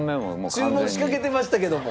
注文しかけてましたけども。